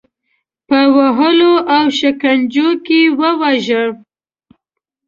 په وهلو او شکنجو کې وواژه.